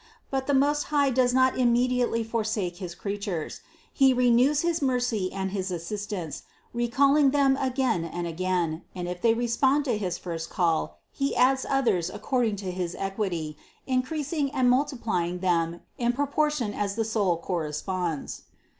But the Most High does not immediately forsake his creatures; He renews his mercy and his assistance, recalling them again and again, and if they respond to his first call, He adds others ac cording to his equity, increasing and multiplying them in proportion as the soul corresponds.